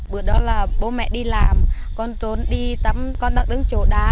bữa đó là bố mẹ đi làm con trốn đi tắm con đang đứng chỗ đá